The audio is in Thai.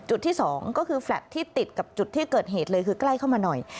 จุดที่สองก็คือแฟลตที่ติดกับจุดที่เกิดเหตุเลยคือใกล้เข้ามาหน่อย